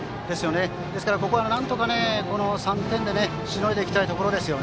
ここはなんとか３点目をしのいでいきたいところですよ。